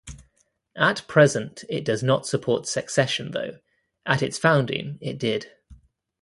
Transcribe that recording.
At present, it does not support secession though, at its founding, it did.